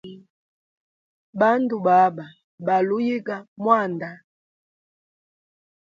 Bandu baba, baluhuyiga mwanda.